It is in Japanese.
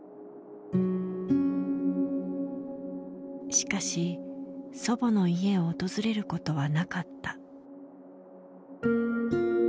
しかし祖母の家を訪れることはなかった。